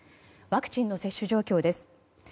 ワクチンの接種状況です。